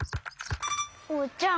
おうちゃん